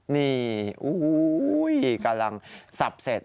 นี่กำลังสับเสร็จ